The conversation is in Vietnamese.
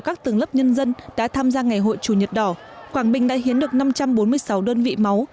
các tầng lớp nhân dân đã tham gia ngày hội chủ nhật đỏ quảng bình đã hiến được năm trăm bốn mươi sáu đơn vị máu